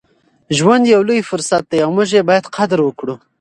ژوند یو لوی فرصت دی او موږ یې باید قدر وکړو.